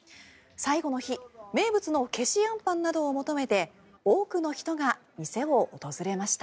最後の日名物のけしあんぱんなどを求めて多くの人が店を訪れました。